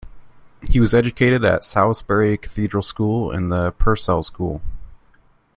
He was educated at Salisbury Cathedral School and the Purcell School.